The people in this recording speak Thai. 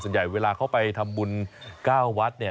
ส่วนใหญ่เวลาเขาไปทำบุญ๙วัดเนี่ย